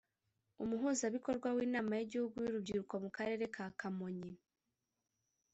Umuhuzabikorwa w’Inama y’Igihugu y’Urubyiruko mu Karere ka Kamonyi